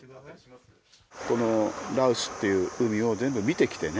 この羅臼っていう海を全部見てきてね